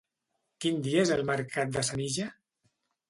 Quin dia és el mercat de Senija?